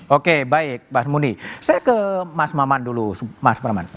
oke baik mas muni saya ke mas maman dulu mas praman